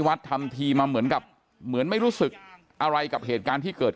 ทำทีมาเหมือนกับเหมือนไม่รู้สึกอะไรกับเหตุการณ์ที่เกิด